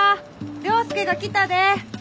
涼介が来たで！